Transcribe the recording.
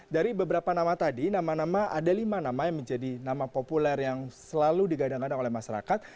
dari beberapa nama tadi nama nama ada lima nama yang menjadi nama populer yang selalu digadang gadang oleh masyarakat